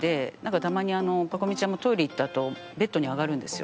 たまにパコ美ちゃんがトイレ行ったあとベッドに上がるんですよ。